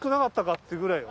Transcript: っていうぐらいよ？